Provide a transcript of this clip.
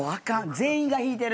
全員が引いてる。